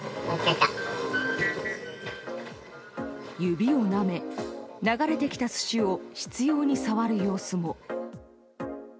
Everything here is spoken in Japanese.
指をなめ、流れてきた寿司を執拗に触る様子も。